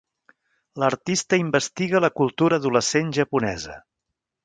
L'artista investiga la cultura adolescent japonesa.